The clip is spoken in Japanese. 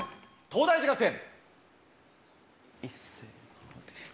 東大寺学園。